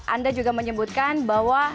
anda juga menyebutkan bahwa